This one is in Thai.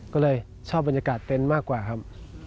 ก็เลยชอบบรรยากาศเต็นต์มากกว่าครับ